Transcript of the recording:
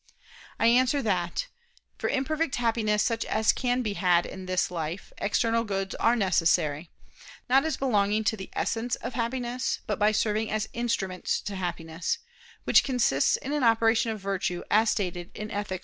I answer that, For imperfect happiness, such as can be had in this life, external goods are necessary, not as belonging to the essence of happiness, but by serving as instruments to happiness, which consists in an operation of virtue, as stated in _Ethic.